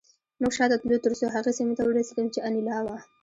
موږ شاته تلو ترڅو هغې سیمې ته ورسېدم چې انیلا وه